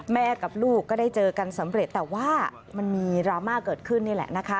กับลูกก็ได้เจอกันสำเร็จแต่ว่ามันมีดราม่าเกิดขึ้นนี่แหละนะคะ